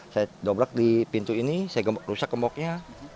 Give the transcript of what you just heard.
saya dobrak di pintu ini saya rusak gemboknya